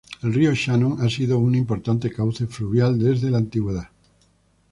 El río Shannon ha sido un importante cauce fluvial desde la antigüedad.